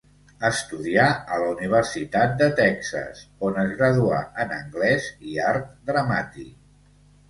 Estudià a la Universitat de Texas, on es graduà en anglès i art dramàtic.